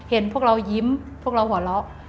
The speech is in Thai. พวกเรายิ้มพวกเราหัวเราะ